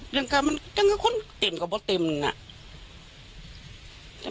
ก็เหมือนคนกะบดติมนี่แหละ